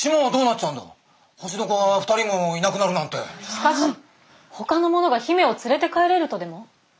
しかしほかの者が姫を連れて帰れるとでも？